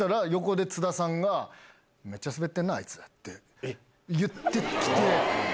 そしたら、横で津田さんが、めっちゃ滑ってんなあいつって、言ってきて。